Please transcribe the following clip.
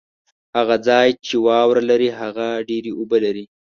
هغه ځای چې واوره لري ، هغه ډېري اوبه لري